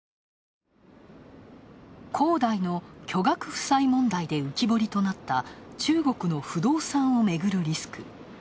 恒大の巨額負債問題で浮き彫りとなった中国の不動産をめぐるリスク。